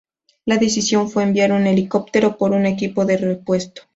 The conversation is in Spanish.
La decisión fue enviar un helicóptero con un equipo de repuesto.